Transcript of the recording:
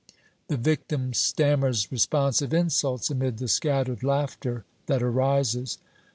The victim stammers responsive insults amid the scattered laughter that arises.